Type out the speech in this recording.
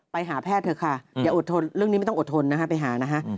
ไปหาแพทย์เถอะค่ะอย่าอดทนเรื่องนี้ไม่ต้องอดทนนะฮะไปหานะคะ